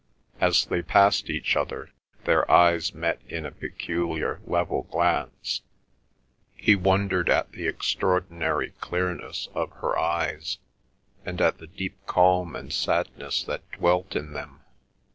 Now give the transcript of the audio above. As they passed each other their eyes met in a peculiar level glance, he wondered at the extraordinary clearness of his eyes, and at the deep calm and sadness that dwelt in them.